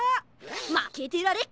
まけてられっか！